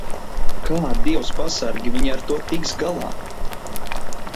Kā, Dievs pasargi, viņi ar to tiks galā?